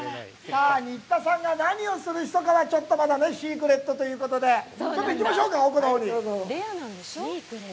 さあ、新田さんが何をする人かは、ちょっとまだシークレットということで、ちょっと行きましょうか、奥のほうに。